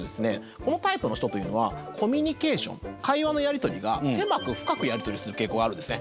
このタイプの人というのはコミュニケーション会話のやり取りが狭く深くやり取りする傾向があるんですね。